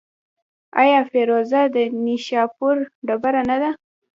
آیا فیروزه د نیشاپور ډبره نه ده؟